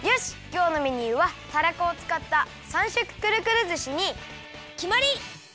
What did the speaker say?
きょうのメニューはたらこをつかった３色クルクルずしにきまり！